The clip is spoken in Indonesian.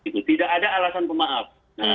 tidak ada alasan pemaaf